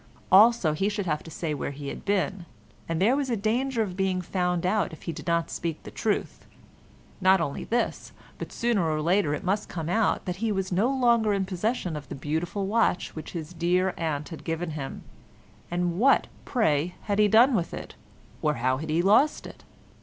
Also he should have to say where he had been, and there was a danger of being found out if he did not speak the truth. Not only this, but sooner or later it must come out that he was no longer possessed of the beautiful watch which his dear aunt had given him—and what, pray, had he done with it, or how had he lost it?